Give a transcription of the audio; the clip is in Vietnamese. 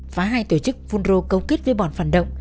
phá hai tổ chức phun rô câu kết với bọn phản động